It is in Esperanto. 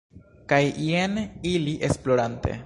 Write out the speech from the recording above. Kaj jen ili, esplorante...